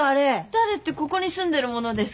誰ってここに住んでる者ですけど。